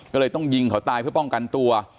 ก็เลยต้องยิงเขาตายเพื่อป้องกันตัว